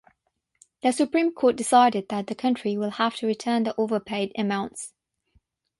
The Supreme Court decided that the country will have to return the overpaid amounts.